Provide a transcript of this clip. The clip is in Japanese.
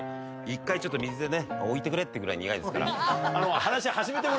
一回水で置いてくれってぐらい苦いですから。